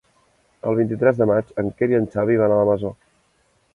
El vint-i-tres de maig en Quer i en Xavi van a la Masó.